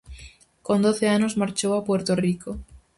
Con doce anos marchou a Puerto Rico.